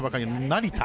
成田